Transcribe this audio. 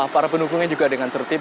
para pendukungnya juga dengan tertib